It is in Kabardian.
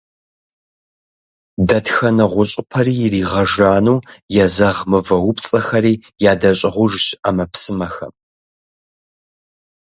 Дэтхэнэ гъущӀыпэри иригъэжану езэгъ мывэупцӀэхэри ядэщӀыгъужщ Ӏэмэпсымэхэм.